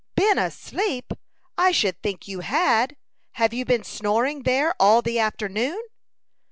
"Been asleep! I should think you had! Have you been snoring there all the afternoon?"